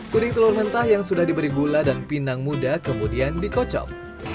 kuning telur mentah yang sudah diberi gula dan pinang muda kemudian dikocok